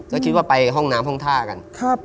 ก็คิดว่าไปห้องน้ำห้องท่ากัน